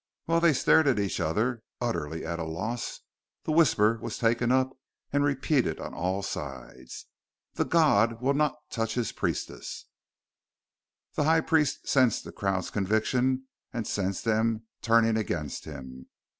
While they stared at each other, utterly at a loss, the whisper was taken up and repeated on all sides. "The God will not touch his priestess!" The High Priest sensed the crowd's conviction, and sensed them turning against him.